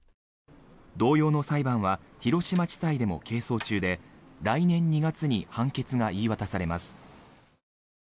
同様の裁判は広島地裁でも係争中で来年２月に判決が言い渡されます。